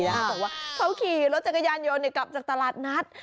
เขาบอกว่าเขาขี่รถจักรยานยนต์กลับจากตลาดนัด